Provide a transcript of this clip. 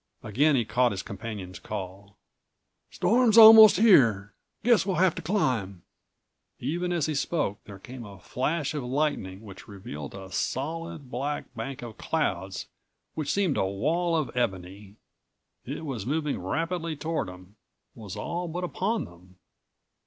Again he caught his companion's call.184 "Storm's almost here! Guess we'll have to climb." Even as he spoke, there came a flash of lightning which revealed a solid black bank of clouds which seemed a wall of ebony. It was moving rapidly toward them; was all but upon them.